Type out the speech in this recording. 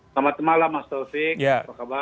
selamat malam mas taufik